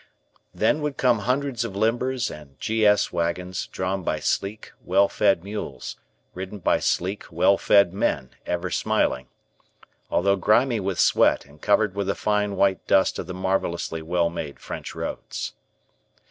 Then would come hundreds of limbers and "G. S." wagons drawn by sleek, well fed mules, ridden by sleek, well fed men, ever smiling. Although grimy with sweat and covered with the fine, white dust of the marvellously well made French roads.